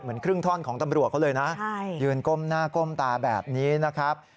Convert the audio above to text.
ครึ่งท่อนของตำรวจเขาเลยนะยืนก้มหน้าก้มตาแบบนี้นะครับ